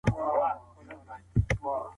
هنري ارزښتونه په څېړنه کي مه هېروئ.